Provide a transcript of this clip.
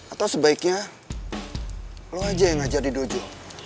atau sebaiknya lo aja yang ngajar di dojo